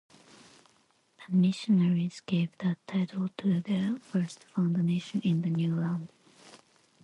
The missionaries gave that title to their first foundation in the new land.